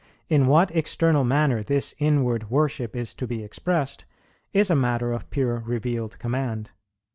"In what external manner this inward worship is to be expressed, is a matter of pure revealed command